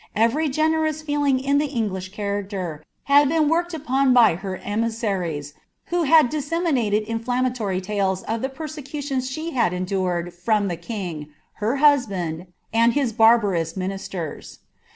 Every generous feeling in the English haracter had been worked upon by her emissaries, who had dissemi ated inflammatory tales of the persecutions she had endured from the ingi, her husband, and his barbarous ministers.